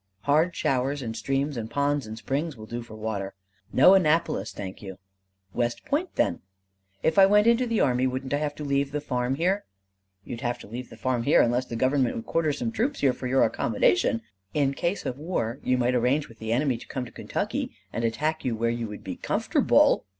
Hard showers and streams and ponds and springs that will do for water. No Annapolis, thank you!" "West Point, then." "If I went into the army, wouldn't I have to leave the farm here?" "You'd have to leave the farm here unless the Government would quarter some troops here for your accommodation. In case of war, you might arrange with the enemy to come to Kentucky and attack you where you would be comfortable."